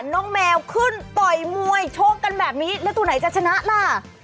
น้องแมวขึ้นต่อยมวยโชคกันแบบนี้แล้วตัวไหนจะชนะล่ะ